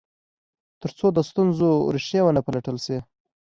تر څو د ستونزو ریښې و نه پلټل شي.